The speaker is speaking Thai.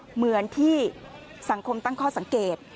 เหมือนที่สังคมตั้งข้อสังเกต